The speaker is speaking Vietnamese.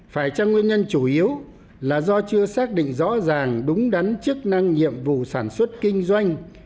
phải chăng nguyên nhân chủ yếu là do chưa xác định rõ ràng đúng đắn chức năng nhiệm vụ sản xuất kinh doanh